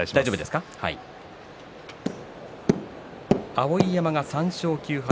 碧山が３勝９敗。